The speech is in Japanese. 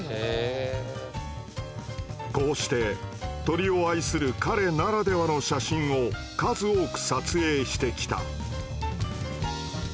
こうして鳥を愛する彼ならではの写真を数多く撮影してきた。